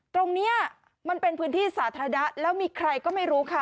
ตรงนี้มันเป็นพื้นที่สาธารณะแล้วมีใครก็ไม่รู้ค่ะ